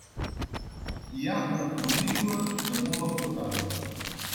Hi ha una fornícula damunt la portada.